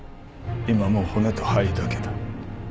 今はもう骨と灰だけだ。